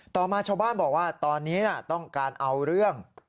ต่อมาชาวบ้านบอกว่าตอนนี้ต้องการเอาเรื่อง